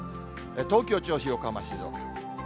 東京、銚子、横浜、静岡。